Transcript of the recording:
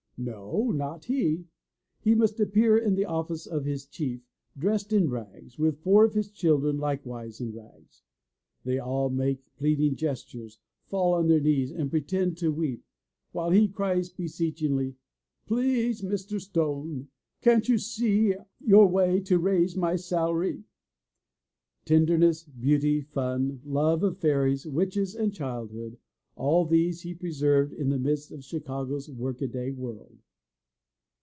No, not he! He must appear in the office of his Chief dressed in rags, with four of his children like wise in rags. They all make pleading gestures, fall on their knees and pretend to weep, while he cries beseechingly, "Please, Mr. Stone, can't you see your way to raise my salary?'* Tenderness, beauty, fun, love of fairies, witches and childhood, — all these he preserved in the midst of Chicago's work a day world.